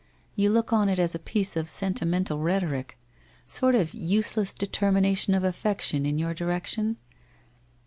You look on it as a piece of sentimental rhetoric — sort of useless determination of affection in your direction?'